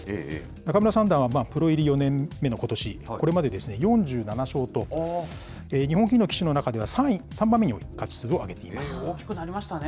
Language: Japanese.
仲邑三段はプロ入り４年目のことし、これまで４７勝と、日本棋院の棋士の中では３番目に多い勝ち数を挙げています。